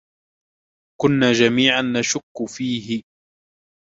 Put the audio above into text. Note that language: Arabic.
كنا جميعًا نشك فيه.